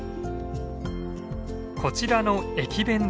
こちらの駅弁です。